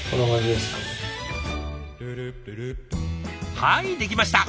はいできました！